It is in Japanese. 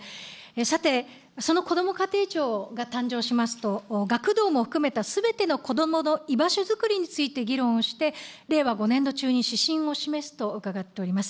さて、そのこども家庭庁が誕生しますと、学童も含めたすべてのこどもの居場所づくりについて、議論して、令和５年度中に指針を示すと伺っております。